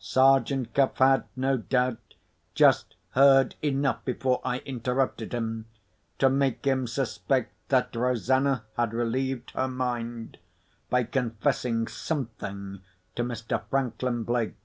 Sergeant Cuff had, no doubt, just heard enough, before I interrupted him, to make him suspect that Rosanna had relieved her mind by confessing something to Mr. Franklin Blake.